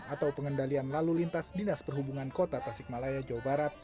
atau pengendalian lalu lintas dinas perhubungan kota tasikmalaya jawa barat